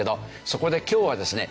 そこで今日はですね